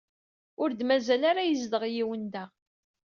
Ur d-mazal ara yezdeɣ yiwen da.